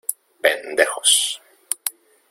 ¡ pendejos!